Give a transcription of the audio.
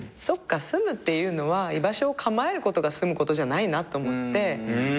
住むっていうのは居場所を構えることが住むことじゃないなと思って。